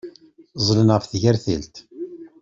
Ẓẓlen ɣef tgertilt.